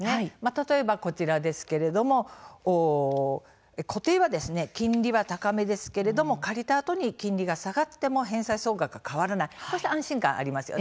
例えば固定は金利は高めですけれども借りたあとに金利が下がっても返済総額が変わらないという安心感があります。